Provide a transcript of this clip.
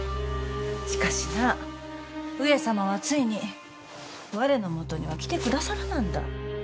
しかしな上様はついに我の元には来てくださらなんだ。